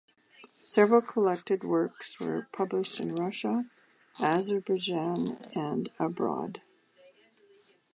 Several collected works were published in Russia, Azerbaijan and abroad.